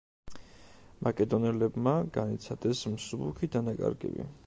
მაკედონელებმა განიცადეს მსუბუქი დანაკარგები.